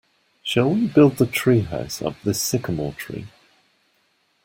Shall we build the treehouse up this sycamore tree?